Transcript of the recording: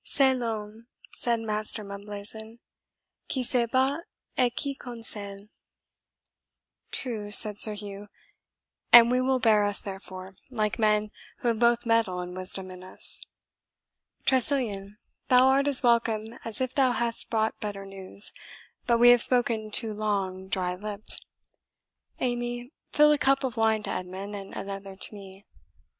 "C'EST L'HOMME," said Master Mumblazen, "QUI SE BAST, ET QUI CONSEILLE." "True," said Sir Hugh, "and we will bear us, therefore, like men who have both mettle and wisdom in us. Tressilian, thou art as welcome as if thou hadst brought better news. But we have spoken too long dry lipped. Amy, fill a cup of wine to Edmund, and another to me."